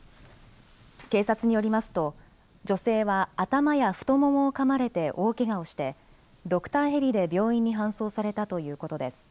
警察によりますと女性は頭や太ももをかまれて大けがをしてドクターヘリで病院に搬送されたということです。